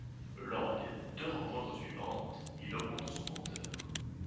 Lors des deux rencontres suivantes, il augmente son compteur.